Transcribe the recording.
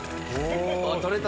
取れた！